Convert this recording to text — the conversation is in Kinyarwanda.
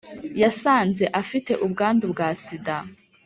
yasanze afite ubwandu bwa sida